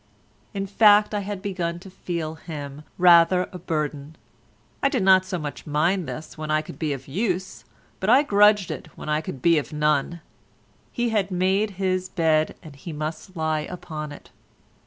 In fact I had begun to feel him rather a burden; I did not so much mind this when I could be of use, but I grudged it when I could be of none. He had made his bed and he must lie upon it.